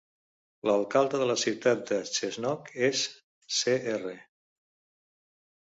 L"alcalde de la ciutat de Cessnock es Cr.